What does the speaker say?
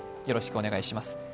よろしくお願いします。